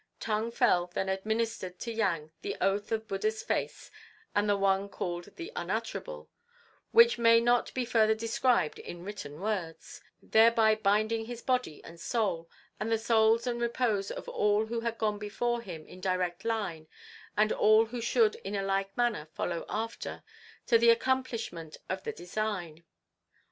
Tung Fel then administered to Yang the Oath of Buddha's Face and the One called the Unutterable (which may not be further described in written words) thereby binding his body and soul, and the souls and repose of all who had gone before him in direct line and all who should in a like manner follow after, to the accomplishment of the design.